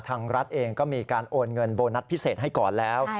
รัฐเองก็มีการโอนเงินโบนัสพิเศษให้ก่อนแล้ว